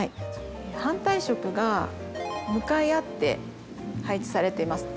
反対色が向かい合って配置されています。